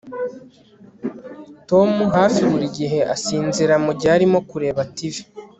Tom hafi buri gihe asinzira mugihe arimo kureba TV